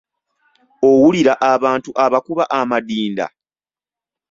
Owulira abantu abakuba amadinda?